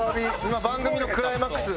今番組のクライマックス。